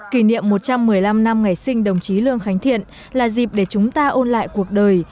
kỷ niệm một trăm một mươi năm năm ngày sinh đồng chí lương khánh thiện là dịp để chúng ta ôn lại cuộc đời